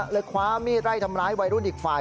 คว้ามีดไล่ทำร้ายวัยรุ่นอีกฝ่าย